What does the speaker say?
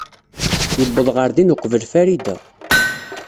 Yuweḍ ɣer din uqbel Farida.